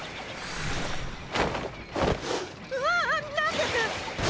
うわぁ何です